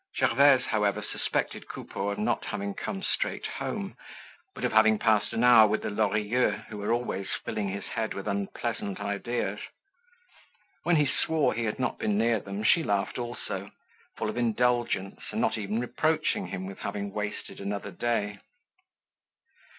Gervaise, however, suspected Coupeau of not having come straight home, but of having passed an hour with the Lorilleuxs who were always filling his head with unpleasant ideas. When he swore he had not been near them she laughed also, full of indulgence and not even reproaching him with having wasted another day.